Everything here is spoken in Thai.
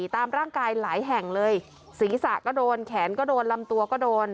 ตามร่างกายหลายแห่งเลยศีรษะก็โดนแขนก็โดนลำตัวก็โดน